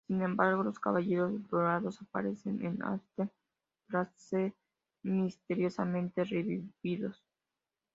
Sin embargo, los caballeros dorados aparecen en Asgard tras ser misteriosamente revividos.